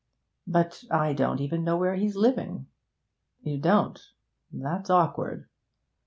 'But I don't even know where he's living.' 'You don't? That's awkward.